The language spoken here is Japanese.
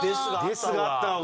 「です」があった方が。